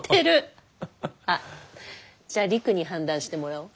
あじゃあ璃久に判断してもらおう。